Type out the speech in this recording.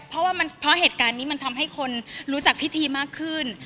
เพราะว่าเพราะเหตุการณ์นี้มันทำให้คนรู้จักพิธีมากขึ้น